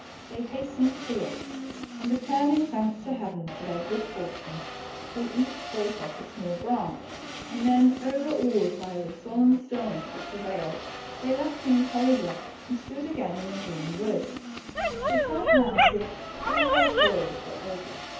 They has tened to it, and, returning thanks to Heaven for their good fortune, they each broke off a small branch, and then, overawed by the solemn stillness that prevailed, they left the enclosure and stood again in the green wood. They felt now as if all their toils were over?